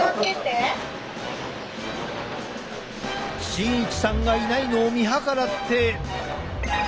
慎一さんがいないのを見計らって。